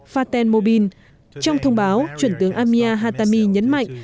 fatah al mubin trong thông báo chuẩn tướng amir al hatami nhấn mạnh